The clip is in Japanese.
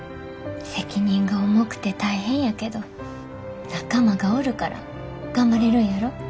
責任が重くて大変やけど仲間がおるから頑張れるんやろ。